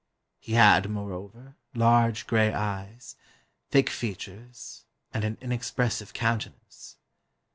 He had, moreover, large gray eyes, thick features, and an inexpressive countenance.